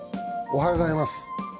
おはようございます。